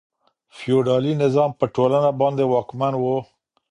فیوډالي نظام په ټولنه باندې واکمن و.